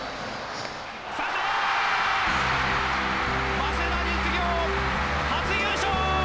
早稲田実業初優勝！